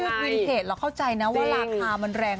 คือวินเพจเราเข้าใจนะว่าราคามันแรง